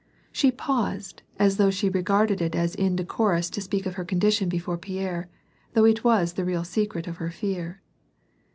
She paused, as though she regarded it as indecorous to speak of her condition before Pierre^ though this was the real secret of her fear.